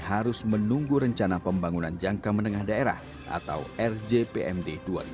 harus menunggu rencana pembangunan jangka menengah daerah atau rjpmd dua ribu dua puluh